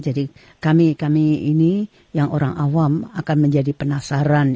jadi kami ini yang orang awam akan menjadi penasaran